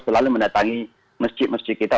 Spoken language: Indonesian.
selalu mendatangi masjid masjid kita